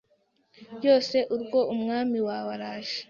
yose UrwoUmwami wawe araje